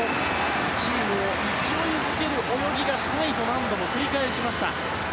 チームを勢い付ける泳ぎがしたいと何度も繰り返しました。